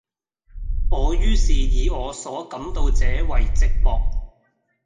我于是以我所感到者爲寂寞。